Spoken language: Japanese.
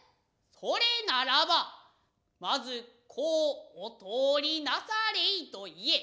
それならばまずこうお通りなされいと言え。